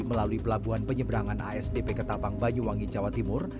melalui pelabuhan penyeberangan asdp ketapang banyuwangi jawa timur